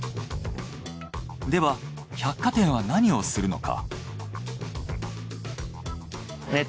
では百貨店は何をするのか？